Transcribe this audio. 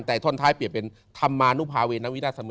แต่ท่อนท้ายเปลี่ยนเป็น